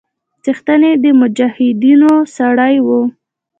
څښتن يې د مجاهيدنو سړى و.